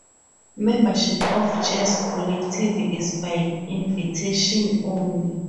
Membership of Jazz Collective is by invitation only.